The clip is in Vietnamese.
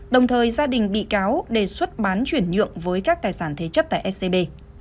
đồng thời gia đình bị cáo đề xuất bán chuyển nhượng với các tài sản thế chấp tại scb